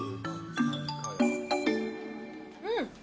うん！